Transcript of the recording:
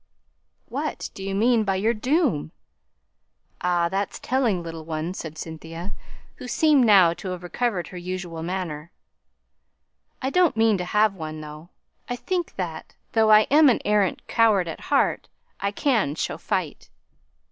"What do you mean by your doom?" "Ah, that's telling, little one," said Cynthia, who seemed now to have recovered her usual manner. "I don't mean to have one, though. I think that, though I am an arrant coward at heart, I can show fight."